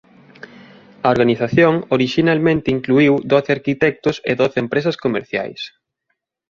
A organización orixinalmente incluíu doce arquitectos e doce empresas comerciais.